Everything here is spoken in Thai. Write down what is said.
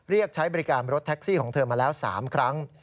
เรียกใช้บริการรถแท็กซี่ของเธอมาแล้ว๓ครั้ง